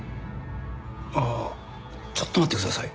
ああちょっと待ってください。